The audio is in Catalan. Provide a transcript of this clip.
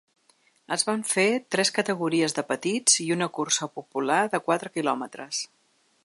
Es van fer tres categories de petits i una cursa popular de quatre quilòmetres.